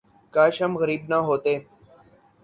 کاش ہم غریب نہ ہوتے